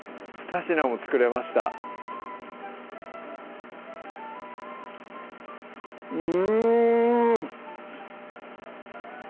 ２品も作れましたうん！